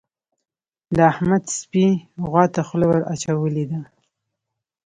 د احمد سپي غوا ته خوله ور اچولې ده.